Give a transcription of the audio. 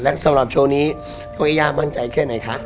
และสำหรับโชว์นี้ช่วยย่ามั่นใจแค่ไหนคะ